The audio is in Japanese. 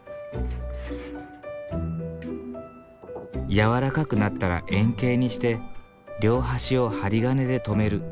軟らかくなったら円形にして両端を針金で留める。